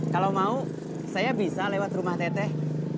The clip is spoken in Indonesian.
kalau mau saya bisa lewat rumah teteh